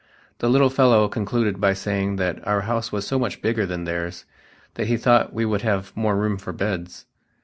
The little fellow concluded by saying that our house was so much bigger than theirs that he thought we would have more roomfor beds.